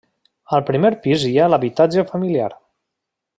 Al primer pis hi ha l'habitatge familiar.